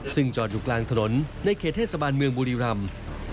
ซึ่งจอดอยู่กลางถนนในเขตเทศบาลเมืองบุรีรำ